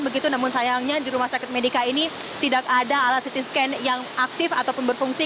begitu namun sayangnya di rumah sakit medica ini tidak ada alat ct scan yang aktif ataupun berfungsi